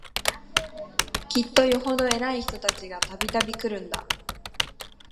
きっとよほど偉い人たちが、度々来るんだ